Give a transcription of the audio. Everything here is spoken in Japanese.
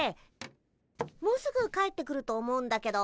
もうすぐ帰ってくると思うんだけど。